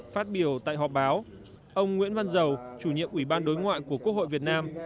phát biểu tại họp báo ông nguyễn văn giàu chủ nhiệm ủy ban đối ngoại của quốc hội việt nam